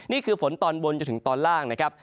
นี่คือฝนตอนบนจนถึงตอนล่างนะครับ